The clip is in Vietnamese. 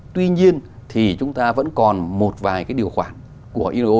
tuy nhiên thì chúng ta vẫn còn một vài điều khoản của ilo